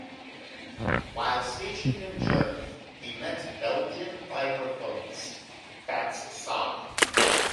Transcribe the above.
While stationed in Germany, he met Belgian vibraphonist Fats Sadi.